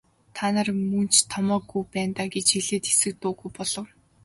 Та нар мөн ч томоогүй байна даа гэж хэлээд хэсэг дуугүй болов.